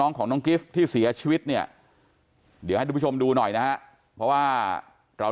น้องกิฟต์ที่เสียชีวิตเนี่ยเดี๋ยวให้ดูหน่อยนะเพราะว่าเรา